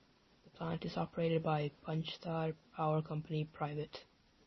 The plant is operated by Panchthar Power Company Pvt.